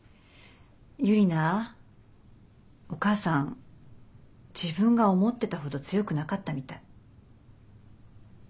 ユリナお母さん自分が思ってたほど強くなかったみたい。